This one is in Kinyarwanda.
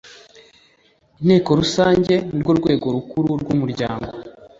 Inteko Rusange ni rwo rwego rukuru rw umuryango